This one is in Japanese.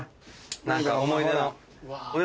何か思い出の。